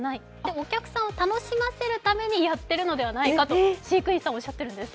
お客さんを楽しませるためにやっているのではないかと飼育員さんはおっしゃっているんです。